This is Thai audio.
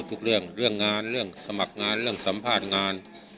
ทุกเรื่องเรื่องงานเรื่องสมัครงานเรื่องสัมภาษณ์งาน